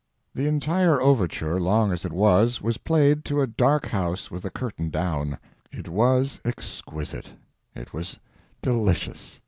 The entire overture, long as it was, was played to a dark house with the curtain down. It was exquisite; it was delicious.